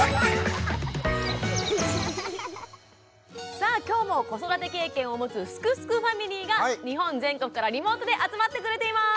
さあ今日も子育て経験を持つ「すくすくファミリー」が日本全国からリモートで集まってくれています。